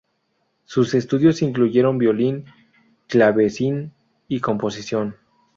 Sus estudios incluyeron violín, clavecín y composición.